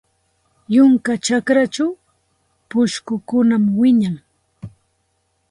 Yunka chakrachaw pushkukunam wiñan.